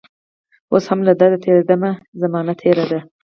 اوس هم له درده تیریدمه زمانه تیره ده